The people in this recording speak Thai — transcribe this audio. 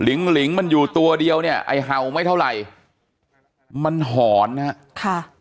หลิงมันอยู่ตัวเดียวเนี่ยไอ้เห่าไม่เท่าไหร่มันหอนนะฮะค่ะ